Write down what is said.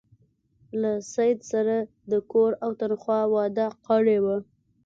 له سید سره د کور او تنخوا وعده کړې وه.